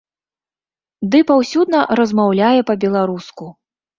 Ды паўсюдна размаўляе па-беларуску.